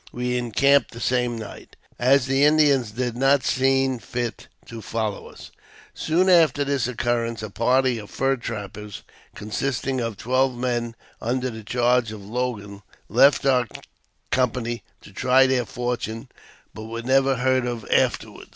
We encamped the same night, as the Indians did not see fit to follow us. Soon after this occurrence a party of fur trapper s^ consisting 100 . AUTOBIOGBAPHY OF of twelve men under the charge of one Logan, left our company to try their fortune but were never heard of afterward.